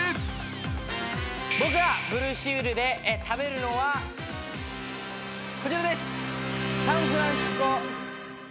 僕がブルーシールで食べるのはこちらです。